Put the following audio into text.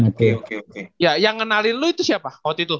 oke oke ya yang ngenalin lu itu siapa waktu itu